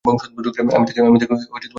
আমি তাকে খুঁজতে গিয়েছিলাম।